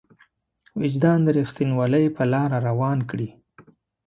وجدان د رښتينولۍ په لاره روان کړي.